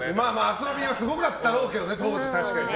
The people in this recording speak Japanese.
遊びはすごかったろうけど当時、確かに。